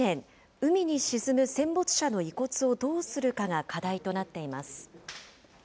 海に沈む戦没者の遺骨をどうするかが課題となっています。